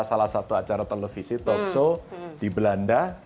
salah satu acara televisi talkshow di belanda